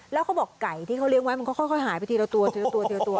แล้วเขาบอกไก่ที่เขาเลี้ยงไว้มันก็ค่อยหายไปทีละตัว